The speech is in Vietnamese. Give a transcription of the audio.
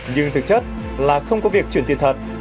nhưng thực chất là không có việc chuyển tiền thật